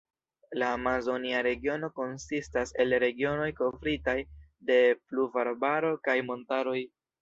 La Amazonia Regiono konsistas el regionoj kovritaj de pluvarbaro kaj montaroj.